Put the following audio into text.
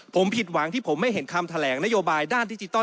ผมผิดหวังที่ผมไม่เห็นคำแถลงนโยบายด้านดิจิทัล